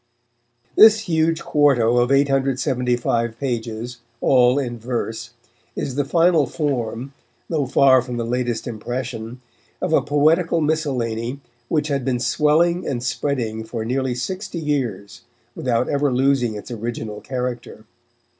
This huge quarto of 875 pages, all in verse, is the final form, though far from the latest impression, of a poetical miscellany which had been swelling and spreading for nearly sixty years without ever losing its original character.